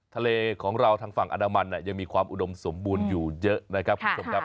ทะเลของเราทางฝั่งอนามันยังมีความอุดมสมบูรณ์อยู่เยอะนะครับคุณผู้ชมครับ